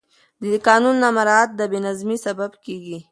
د قانون نه مراعت د بې نظمي سبب کېږي